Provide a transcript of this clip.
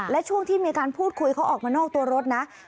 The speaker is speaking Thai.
และช่วงที่มีการพูดคุยเขาออกมานอกตัวรถนะ